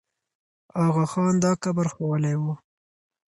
آغا خان دا قبر ښوولی وو.